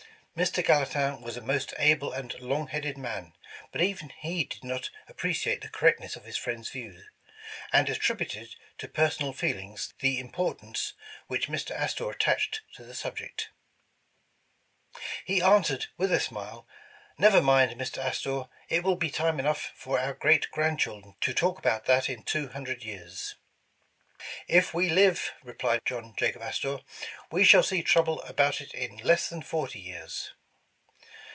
"Mr. Gallatin was a most able and long headed man, but even he did not appreciate the correctness of his friend's view, and attributed to personal feelings, the importance which Mr. Astor attached to the subject. He answered with a smile: 'Never mind Mr. Astor, it will be time enough for our great grandchildren to talk about that in two hundred years. '" *If we live,' replied John Jacob Astor, 'we shall see trouble about it in less than forty years.